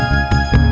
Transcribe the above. mak mau beli es krim